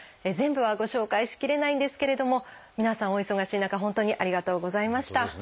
全部はご紹介しきれないんですけれども皆さんお忙しい中本当にありがとうございました。